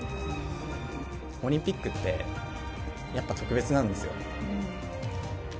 オリンピックって、やっぱり特別なんですよ。